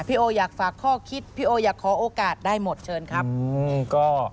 พี่โออยากฝากข้อคิดพี่โออยากขอโอกาสได้หมดเชิญครับอืมก็